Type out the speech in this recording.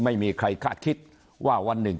ไม่มีใครคาดคิดว่าวันหนึ่ง